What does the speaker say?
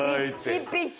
ピッチピチ。